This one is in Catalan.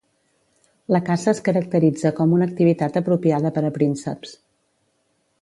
La caça es caracteritza com una activitat apropiada per a prínceps.